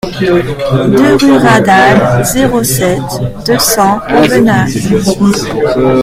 deux rue Radal, zéro sept, deux cents Aubenas